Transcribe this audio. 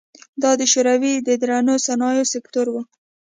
دا د شوروي د درنو صنایعو سکتور و.